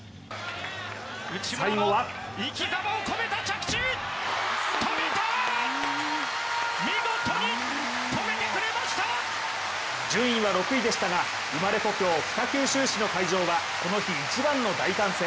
最後は順位は６位でしたが生まれ故郷・北九州市の会場はこの日一番の大歓声。